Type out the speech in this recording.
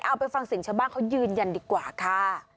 เอาไปฟังเสียงชาวบ้านเขายืนยันดีกว่าค่ะ